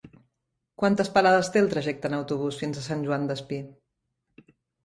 Quantes parades té el trajecte en autobús fins a Sant Joan Despí?